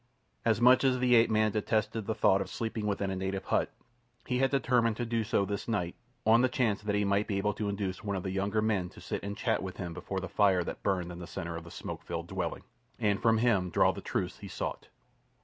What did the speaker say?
As much as the ape man detested the thought of sleeping within a native hut, he had determined to do so this night, on the chance that he might be able to induce one of the younger men to sit and chat with him before the fire that burned in the centre of the smoke filled dwelling, and from him draw the truths he sought.